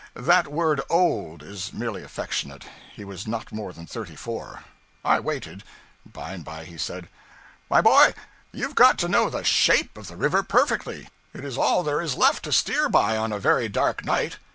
That word 'old' is merely affectionate; he was not more than thirty four. I waited. By and by he said 'My boy, you've got to know the _shape _of the river perfectly. It is all there is left to steer by on a very dark night.